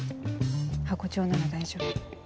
ハコ長なら大丈夫。